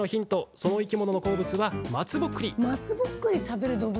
その生き物の好物は松ぼっくり。